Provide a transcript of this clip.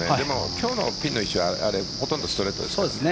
今日のピンの位置はほとんどストレートですね。